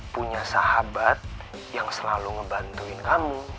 punya sahabat yang selalu ngebantuin kamu